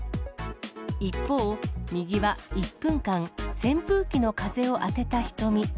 一方、右は１分間、扇風機の風を当てた瞳。